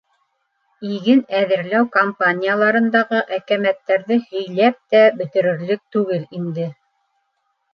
Иген әҙерләү кампанияларындағы әкәмәттәрҙе һөйләп тә бөтөрөрлөк түгел инде.